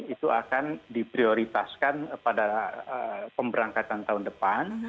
itu akan diprioritaskan pada pemberangkatan tahun depan